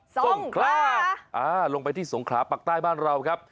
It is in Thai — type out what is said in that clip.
สงขลาลงไปที่สงขลาปากใต้บ้านเราครับ